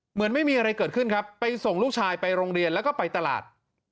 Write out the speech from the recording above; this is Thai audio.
เหมือนไม่มีอะไรเกิดขึ้นครับไปส่งลูกชายไปโรงเรียนแล้วก็ไปตลาด